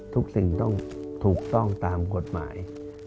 สิ่งต้องถูกต้องตามกฎหมาย